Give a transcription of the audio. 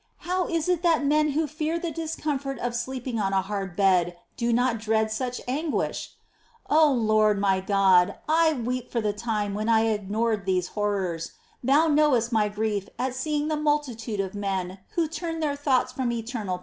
How is it, that men who fear the discomfort of sleeping on a hard bed, do not dread such anguish ? 9. O Lord my God ! I weep for the time when I ignored these horrors. Thou knowest my grief at seeing the multitude of men who turn their thoughts from eternal.